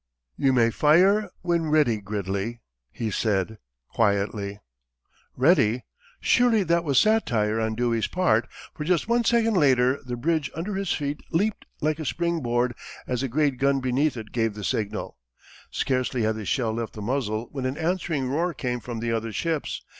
"You may fire when ready, Gridley," he said, quietly. Ready! Surely that was satire on Dewey's part, for just one second later the bridge under his feet leaped like a springboard as the great gun beneath it gave the signal. Scarcely had the shell left the muzzle when an answering roar came from the other ships.